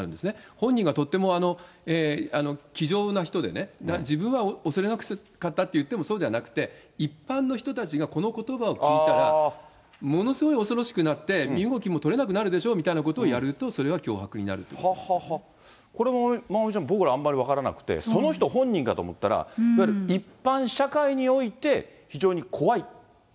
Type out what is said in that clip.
本人がとっても気丈な人で自分は恐れなかったと言ってもそうじゃなくて、一般の人たちがこのことばを聞いたら、ものすごい恐ろしくなって、身動きも取れなくなるでしょうみたいなことをやると、それは脅迫これ、まおみちゃん、僕らあんまり分からなくて、その人本人かと思ったら、いわゆる、一般社会において非常に怖いって。